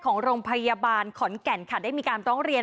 ของโรงพยาบาลขอนแก่นค่ะได้มีการร้องเรียน